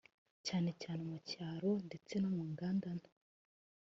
cyane cyane mu cyaro ndetse no mu nganda nto"